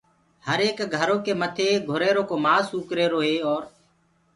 هر ايڪ گھرو ڪي مٿي گُھريرو ڪو مآس سوڪ هيروئي اور